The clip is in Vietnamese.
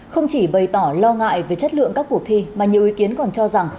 không chỉ bày tỏ lo ngại về chất lượng các cuộc thi mà nhiều ý kiến còn cho rằng